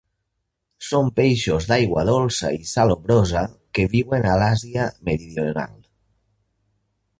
Són peixos d'aigua dolça i salabrosa que viuen a l'Àsia Meridional.